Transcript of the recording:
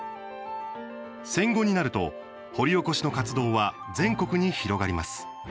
戦後になると掘り起こしの活動は全国に広がります。